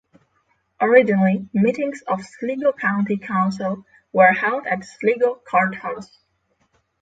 Originally meetings of Sligo County Council were held at Sligo Courthouse.